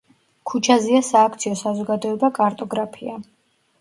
ქუჩაზეა სააქციო საზოგადოება „კარტოგრაფია“.